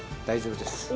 大丈夫です。